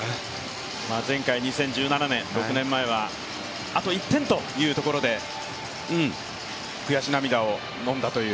前回２０１７年、６年前はあと１点というところで悔し涙をのんだという。